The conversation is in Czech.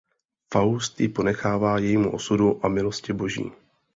Faust ji ponechává jejímu osudu a milosti Boží.